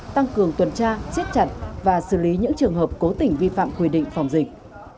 tăng cường tuần tra siết chặt và xử lý những trường hợp cố tình vi phạm quy định phòng dịch